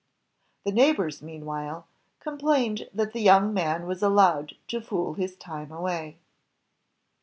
The neighbors, meanwhile, complained that the young man was allowed to fool his time away.